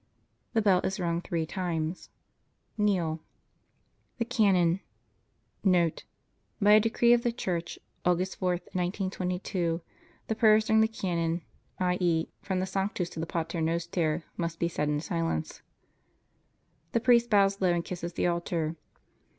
The bell is rung three times. Kneel THE CANON [Note, By a Decree of the Church (Aug. 4, 1922), the prayers during the Canon, i.e. from the Sanctus to the Pater Noster, must be said in silence.] The priest bows low and kisses the altar.